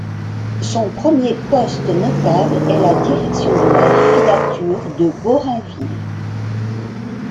Son premier poste notable est la direction de la filature de Beaurainville.